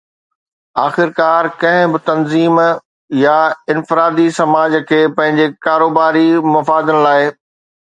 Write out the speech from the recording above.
آخرڪار، ڪنهن به تنظيم يا انفرادي سماج کي پنهنجي ڪاروباري مفادن لاء